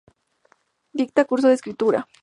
Dicta cursos de escritura.